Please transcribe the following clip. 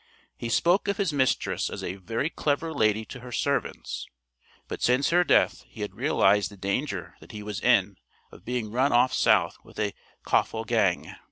He spoke of his mistress as "a very clever lady to her servants," but since her death he had realized the danger that he was in of being run off south with a coffle gang.